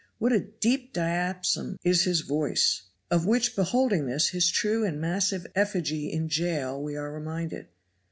what a deep diapason is his voice! of which beholding this his true and massive effigy in Jail we are reminded.